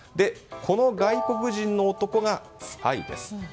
この外国人の男がスパイです。